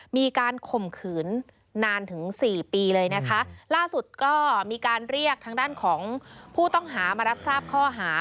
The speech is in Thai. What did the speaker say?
มีการข่มขืนนานถึงสี่ปีเลยนะคะล่าสุดก็มีการเรียกทางด้านของผู้ต้องหามารับทราบข้อหา